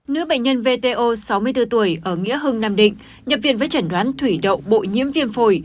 nữ bệnh nhân vto sáu mươi bốn tuổi ở nghĩa hưng nam định nhập viện với chẩn đoán thủy đậu bội nhiễm viêm phổi